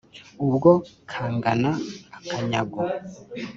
ubwo kangana akanyago.